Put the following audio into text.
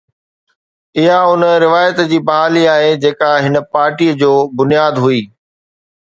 اُها اُن روايت جي بحالي آهي، جيڪا هن پارٽيءَ جو بنياد هئي.